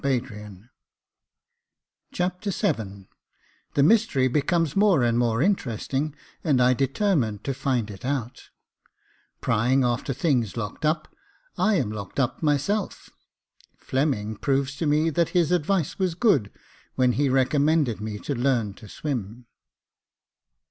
Jacob Faithful 59 Chapter VII The Mystery becomes more and more interesting, and I determine to find it out — Prying after things locked up, I am locked up myself — Fleming proves to me that his advice wras good when he recommended me to learn to swim.